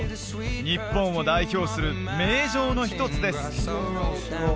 日本を代表する名城の一つです